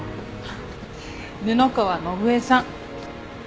布川伸恵さん。